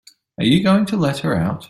Are you going to let her out?